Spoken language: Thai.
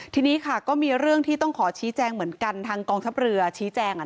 ทีนี้ค่ะก็มีเรื่องที่ต้องขอชี้แจงเหมือนกันทางกองทัพเรือชี้แจง